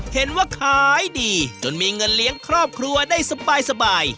เห็นว่าขายดีจนมีเงินเลี้ยงครอบครัวได้สบาย